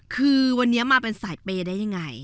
คือวันนี้มาเป็นสายเปย์ได้ยังไง